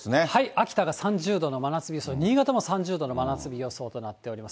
秋田が３０度の真夏日予想、新潟も３０度の真夏日予想となっております。